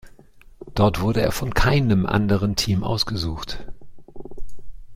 Dort wurde er von keinem anderen Team ausgesucht.